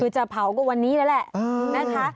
คือจะเผากว่าวันนี้แล้วแหละ